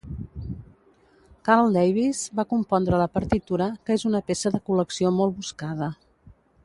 Carl Davis va compondre la partitura, que és una peça de col·lecció molt buscada.